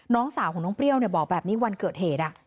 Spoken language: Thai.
น้องสาวของน้องเปรี้ยวบอกแบบนี้วันเกิดเหตุ